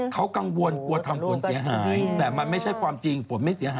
เขากังวลกลัวทำฝนเสียหายแต่มันไม่ใช่ความจริงฝนไม่เสียหาย